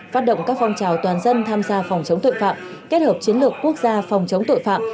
phát động các phong trào toàn dân tham gia phòng chống tội phạm kết hợp chiến lược quốc gia phòng chống tội phạm